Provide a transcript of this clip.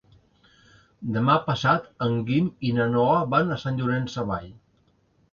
Demà passat en Guim i na Noa van a Sant Llorenç Savall.